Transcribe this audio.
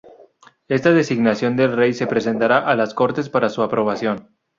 Esta designación del Rey se presentará a las Cortes para su aprobación.